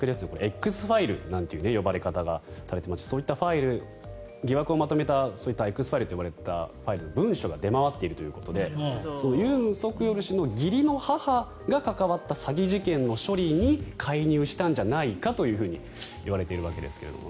Ｘファイルなんていう呼ばれ方をされていますがそういったファイル疑惑をまとめたファイル、文書が出回っているということでユン・ソクヨル氏の義理の母が関わった詐欺事件の処理に介入したんじゃないかといわれているわけですけれども。